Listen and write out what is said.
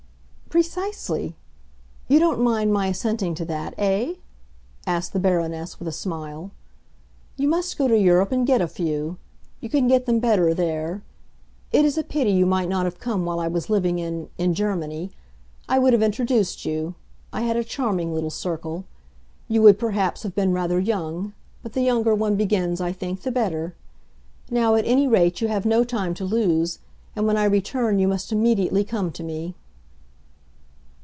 "Precisely. You don't mind my assenting to that, eh?" asked the Baroness with a smile. "You must go to Europe and get a few. You can get them better there. It is a pity you might not have come while I was living in—in Germany. I would have introduced you; I had a charming little circle. You would perhaps have been rather young; but the younger one begins, I think, the better. Now, at any rate, you have no time to lose, and when I return you must immediately come to me."